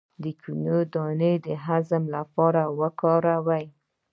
د کیوي دانه د هضم لپاره وکاروئ